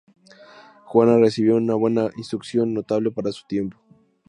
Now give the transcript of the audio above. Juana recibió una buena instrucción, notable para su tiempo.